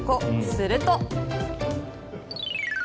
すると。